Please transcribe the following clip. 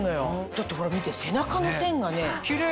だってほら見て背中の線がね。